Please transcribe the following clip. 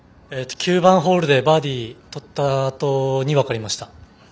９番ホールでバーディーをとったあとに分かりました。